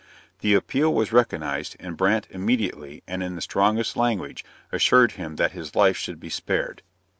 The appeal was recognized, and Brandt immediately, and in the strongest language, assured him that his life should be spared.